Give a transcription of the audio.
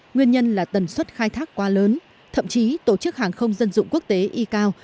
nguyên nhân là tần suất khai thác quá lớn thậm chí tổ chức hàng không dân dụng quốc tế y cao